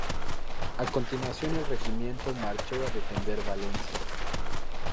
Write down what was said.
A continuación el regimiento marchó a defender Valencia.